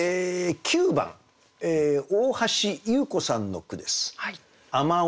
９番大橋祐子さんの句です。